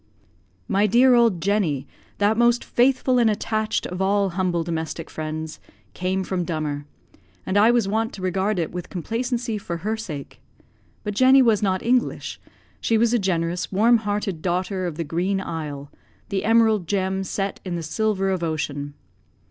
My dear old Jenny, that most faithful and attached of all humble domestic friends, came from Dummer, and I was wont to regard it with complacency for her sake. But Jenny was not English; she was a generous, warm hearted daughter of the Green Isle the Emerald gem set in the silver of ocean.